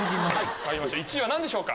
１位は何でしょうか？